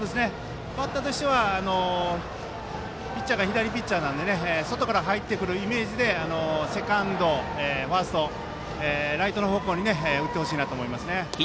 バッターとしてはピッチャーが左ピッチャーなので外から入ってくるイメージでセカンド、ファーストライト方向に打ってほしいと思います。